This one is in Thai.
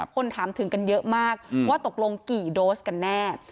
คนถามถึงกันเยอะมากว่าตกลงกี่โดสกันแน่